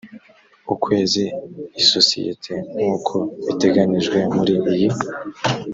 ukwezi isosiyete nk uko biteganyijwe muri iyi